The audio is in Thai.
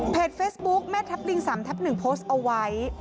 เพจเฟซบุ๊กแม่ทับลิงสามทับหนึ่งโพสต์เอาไว้